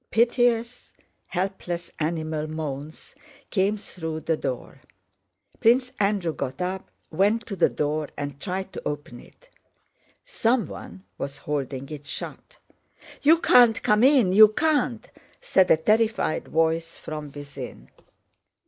Piteous, helpless, animal moans came through the door. Prince Andrew got up, went to the door, and tried to open it. Someone was holding it shut. "You can't come in! You can't!" said a terrified voice from within.